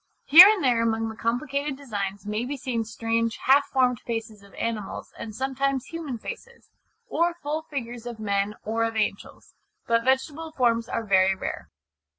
Here and there among the complicated designs may be seen strange half formed faces of animals, and sometimes human faces, or full figures of men or of angels. But vegetable forms are very rare.